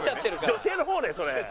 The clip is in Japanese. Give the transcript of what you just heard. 女性の方ねそれ。